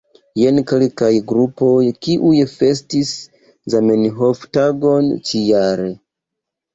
Jen kelkaj grupoj, kiuj festis Zamenhof-tagon ĉi-jare.